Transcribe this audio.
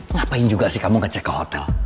ngapain juga sih kamu gak cek ke hotel